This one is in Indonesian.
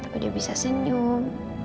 sudah bisa senyum